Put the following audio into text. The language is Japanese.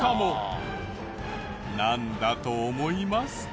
なんだと思いますか？